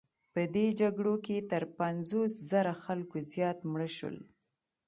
په دې جګړو کې تر پنځوس زره خلکو زیات مړه شول.